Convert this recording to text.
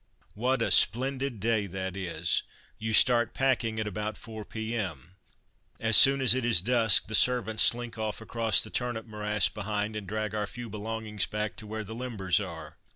What a splendid day that is! You start "packing" at about 4 p.m. As soon as it is dusk the servants slink off across that turnip morass behind and drag our few belongings back to where the limbers are.